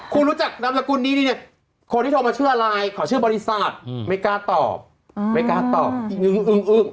คุณรู้จักนามสกุลนี้ดีเนี่ยคนที่โทรมาชื่ออะไรขอชื่อบริษัทไม่กล้าตอบไม่กล้าตอบอีนึ้งอึ้งอึ้ง